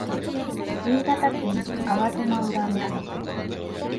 新潟県粟島浦村